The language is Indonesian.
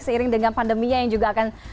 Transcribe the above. seiring dengan pandeminya yang juga akan